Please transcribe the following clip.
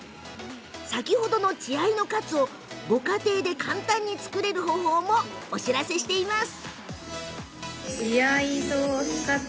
先ほどの血合いのカツをご家庭で簡単に作れる方法もお知らせしています。